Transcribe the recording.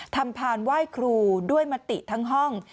พานไหว้ครูด้วยมติทั้งห้อง